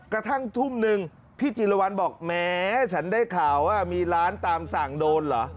กระทั่งทุ่มนึงพี่จิรวรรณบอกแหมฉันได้ข่าวว่ามีร้านตามสั่งโดนเหรอ